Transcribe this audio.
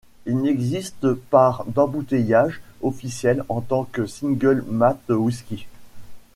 Il n’existe par d’embouteillage officiel en tant que single malt whisky.